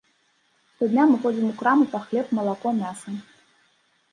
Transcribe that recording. Штодня мы ходзім у краму па хлеб, малако, мяса.